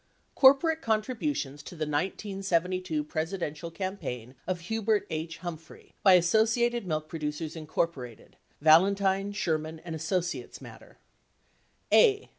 CORPORATE CONTRIBUTIONS TO THE 1972 PRESI DENTIAL CAMPAIGN OF HUBERT H. HUMPHREY BY ASSOCIATED MILK PRODUCERS, INC.— VALENTINE, SHERMAN AND ASSOCIATES MATTER A.